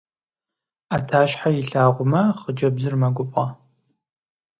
Ӏэтащхьэ илъагъумэ, хъыджэбзыр мэгуфӀэ.